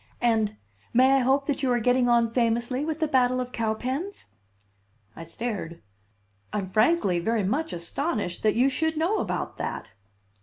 And may I hope that you are getting on famously with the battle of Cowpens?" I stared. "I'm frankly very much astonished that you should know about that!"